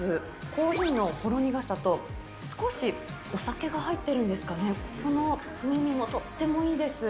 コーヒーのほろ苦さと、少しお酒が入ってるんですかね、その風味もとってもいいです。